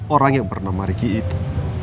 orang yang pernah mariki itu